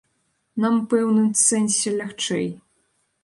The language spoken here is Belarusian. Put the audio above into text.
Нам у пэўным сэнсе лягчэй.